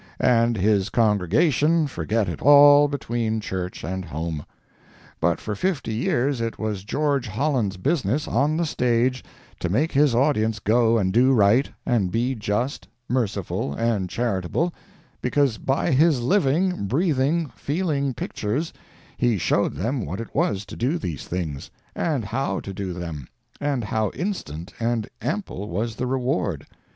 And his congregation forget it all between church and home. But for fifty years it was George Holland's business, on the stage, to make his audience go and do right, and be just, merciful, and charitable—because by his living, breathing, feeling pictures, he showed them what it was to do these things, and how to do them, and how instant and ample was the reward!